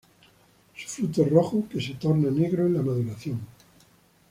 Su fruto es rojo que se torna negro en la maduración.